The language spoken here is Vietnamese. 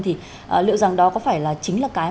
thì liệu rằng đó có phải là chính là cái